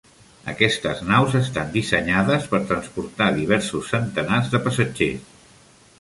Aquestes naus estan dissenyades per transportar diversos centenars de passatgers.